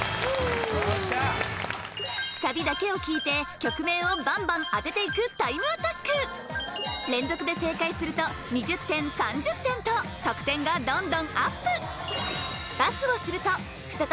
サビだけを聴いて曲名をバンバン当てていくタイムアタック連続で正解すると２０点３０点と得点がどんどんアップ！